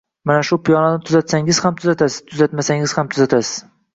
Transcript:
Mana shu piyolani tuzatsangiz ham tuzatasiz, tuzatmasangiz ham tuzatasiz